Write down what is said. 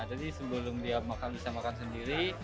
jadi sebelum dia bisa makan sendiri